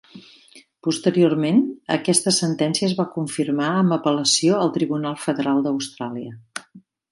Posteriorment, aquesta sentència es va confirmar amb apel·lació al Tribunal Federal d'Austràlia.